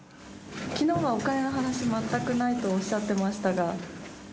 きのうはお金の話、全くないとおっしゃってましたが。